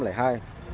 trong khi đó